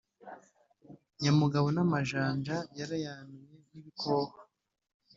nyamugabo n' amajanja yarayanuye...n'ibikohwa ,